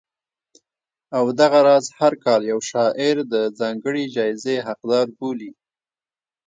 او دغه راز هر کال یو شاعر د ځانګړې جایزې حقدار بولي